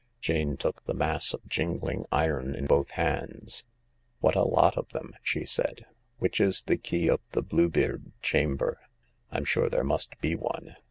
Jane took the mass of jingling iron in both hands. " What a lot of them I " she said. " Which is the key of the Blue beard chamber ? I'm sure there must be one."